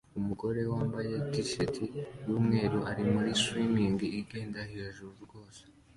Umugore wambaye t-shirt yumweru ari muri swing igenda hejuru rwose